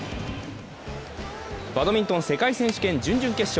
バドミントン世界選手権準々決勝。